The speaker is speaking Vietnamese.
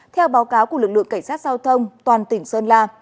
theo báo cáo của lực lượng cảnh sát giao thông toàn tỉnh sơn la